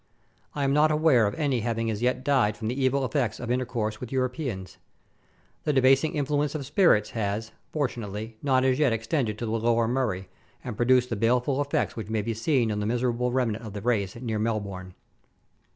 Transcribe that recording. I am not aware of any having as yet died from the evil effects of intercourse with Europeans. The debasing influence of spirits has, fortunately, not as yet extended to the Lower Murray, and produced the baleful effects which may be seen on the miserable remnant of the race near Melbourne.